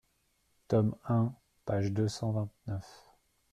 Tome un, page deux cent vingt-neuf.